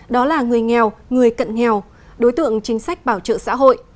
đó là người nghèo người cận nghèo đối tượng chính sách bảo trợ xã hội